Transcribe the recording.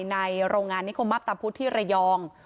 ในโรงงานนิโครมัพตัพพุทธิ์ระยอง